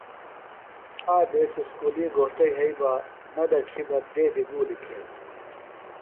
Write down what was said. آک دیس اُسکُلی گھوݜٹہ یھئی نہ دڇھیۡ بہ دیدیۡ گُولیۡ کھییلیۡ۔